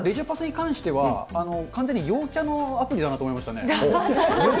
ただ、レジャパスに関しては、完全に陽キャのアプリだなと思いましたね。